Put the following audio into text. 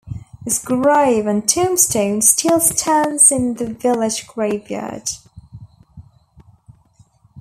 His grave and tombstone still stands in the village graveyard.